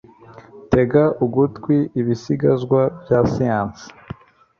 tega ugutwi, ibisigazwa bya siyansi